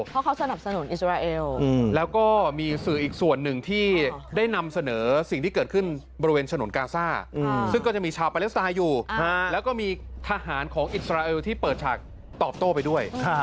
เพราะเขาสนับสนุนอิสราเอลแล้วก็มีสื่ออีกส่วนหนึ่งที่ได้นำเสนอสิ่งที่เกิดขึ้นบริเวณฉนวนกาซ่าซึ่งก็จะมีชาวปาเลสไตล์อยู่แล้วก็มีทหารของอิสราเอลที่เปิดฉากตอบโต้ไปด้วย